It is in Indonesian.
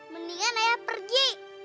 mendingan ayah pergi